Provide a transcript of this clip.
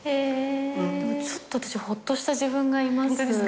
でもちょっと私ほっとした自分がいます。